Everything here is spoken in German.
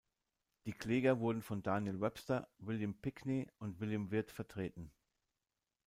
Die Kläger wurden von Daniel Webster, William Pinkney und William Wirt vertreten.